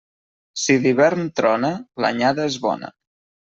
Si d'hivern trona, l'anyada és bona.